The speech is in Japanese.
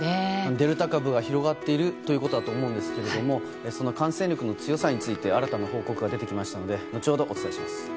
デルタ株が、広がっているということだと思いますがその感染力の強さについて新たな報告がありましたので後ほどお伝えします。